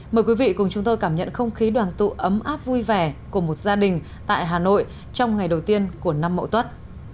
mời quý vị cùng chúng tôi cảm nhận không khí đoàn tụ ấm áp vui vẻ của một gia đình tại hà nội trong ngày đầu tiên của năm mậu tuất